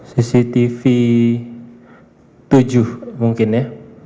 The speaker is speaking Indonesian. cctv tujuh mungkin ya